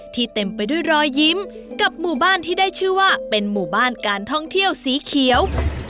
เต็มไปด้วยรอยยิ้มกับหมู่บ้านที่ได้ชื่อว่าเป็นหมู่บ้านการท่องเที่ยวสีเขียว